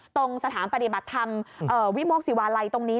ตรงสถานปฏิบัติธรรมวิโมกศิวาลัยตรงนี้